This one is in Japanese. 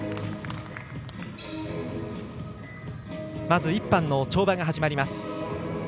まず１班の跳馬が始まります。